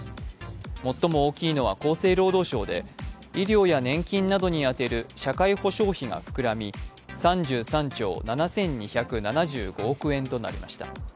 最も大きいのは厚生労働省で、医療や年金などに充てる社会保障費が膨らみ、３３兆７２７５億円となりました。